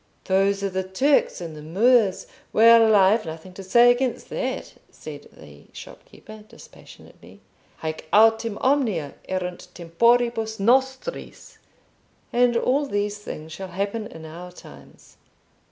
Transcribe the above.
"Those are the Turks and the Moors. Well, I've nothing to say against that," said the shopkeeper, dispassionately. "Haec autem omnia erunt temporibus nostris: and all these things shall happen in our times."